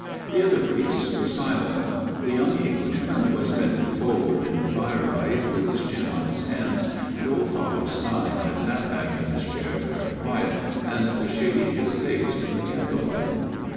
The other priests were silent. The young Englishman was bending for ward in the firelight with his chin on his hands, and old Father Stein had sat back in his chair MONSIGNOR MAXWELL'S TALE 21 very quiet and was shading his face from the candlelight.